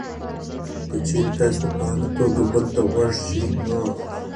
که چېرې تاسې په فعاله توګه بل ته غوږ شئ نو: